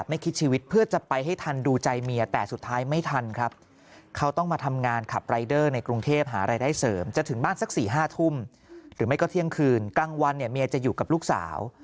บ้านสัก๔๕ทุ่มหรือไม่ก็เที่ยงคืนกั้งวันเนี่ยเมียจะอยู่กับลูกสาว